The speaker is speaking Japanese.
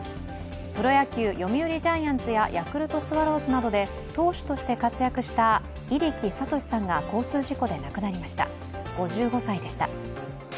プロ野球、読売ジャイアンツやヤクルトスワローズなどで投手として活躍した入来智さんが交通事故で亡くなりました、５５歳でした。